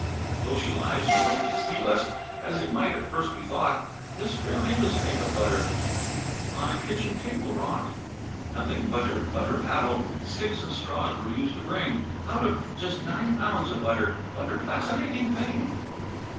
III. "Though she lies, she don't deceive us, As it might at first be thought; This fair maid is made of butter, On a kitchen table wrought. Nothing butter butter paddle, Sticks and straws were used to bring Out of just nine pounds of butter Butter fascinating thing.